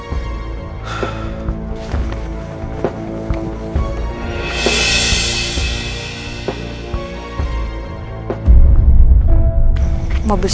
tidak pak bos